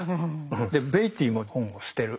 でベイティーも本を捨てる。